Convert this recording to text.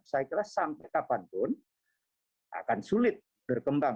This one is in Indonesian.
saya kira sampai kapanpun akan sulit berkembang